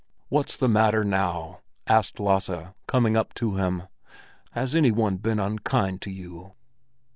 "What's the matter now?" asked Lasse, coming up to him. "Has any one been unkind to you?"